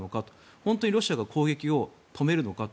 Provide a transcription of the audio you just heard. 本当にロシアが攻撃を止めるのかと。